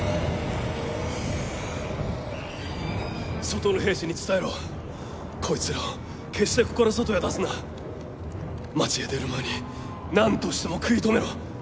外の兵士に伝えろこいつらを決してここから外へ出すな街へ出る前になんとしても食い止めろ！